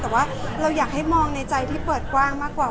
แต่ว่าเราอยากให้มองในใจที่เปิดกว้างมากกว่า